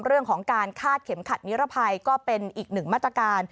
เรื่องของการคาดเข็มขัดนิรภัยก็เป็นอีกหนึ่งมาตรการ